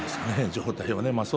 状態はね。